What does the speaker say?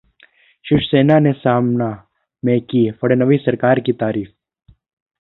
शिवसेना ने 'सामना' में की फडनवीस सरकार की तारीफ